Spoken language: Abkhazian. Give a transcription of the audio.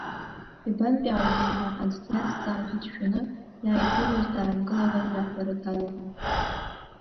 Иабантәиааугеи ҳәа аӡә диазҵаар ҳәа дшәаны, иааиԥылоз даанкыланы, иаҳәара далагон…